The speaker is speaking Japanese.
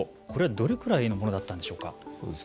これはどれぐらいのものだったんでしょうか。